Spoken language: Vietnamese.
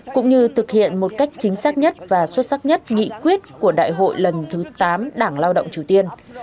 cũng như thực hiện một cách chính xác nhất và xuất sắc nhất nghị quyết của đại hội lần thứ tám đảng lao động triều tiên